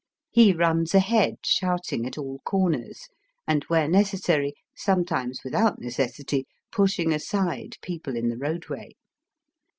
He runs ahead shouting at all comers, and where necessary, sometimes without necessity, pushing aside people in the roadway.